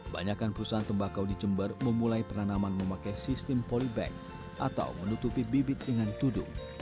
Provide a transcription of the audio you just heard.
banyakan perusahaan tembakau di jember memulai penanaman memakai sistem polybag atau menutupi bibit dengan tudung